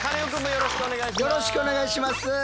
よろしくお願いします。